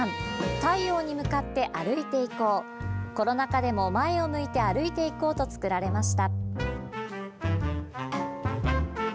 太陽に向かって歩いていこうコロナ禍でも前を向いて歩いていこうと作られました。